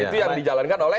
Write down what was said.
itu yang dijalankan oleh